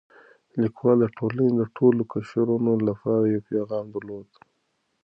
لیکوال د ټولنې د ټولو قشرونو لپاره یو پیغام درلود.